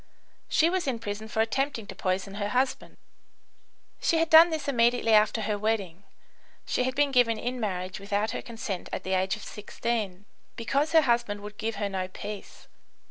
She was in prison for attempting to poison her husband. She had done this immediately after her wedding (she had been given in marriage without her consent at the age of 16) because her husband would give her no peace.